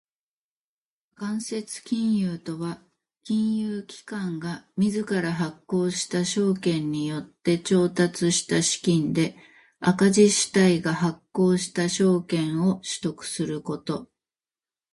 間接金融とは金融機関が自ら発行した証券によって調達した資金で赤字主体が発行した証券を取得すること。